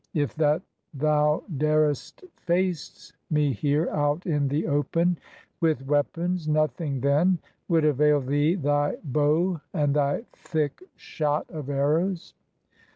If that thou dared'st face me here out in the open with weapons, Nothing then would avail thee thy bow and thy thick shot of arrows.